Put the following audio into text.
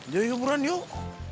ya yuk murad yuk